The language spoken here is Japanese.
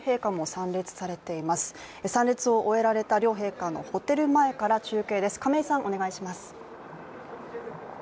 参列を終えられた両陛下のホテル前から中継です。